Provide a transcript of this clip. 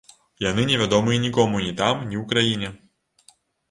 Яны не вядомыя нікому ні там, ні у краіне.